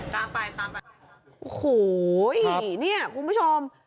ตามไปตามไปโอ้โหเนี่ยคุณผู้ชม